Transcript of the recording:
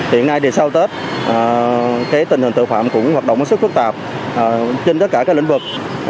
hiện nay thì sau tết tình hình tội phạm cũng hoạt động sức phức tạp trên tất cả các lĩnh vực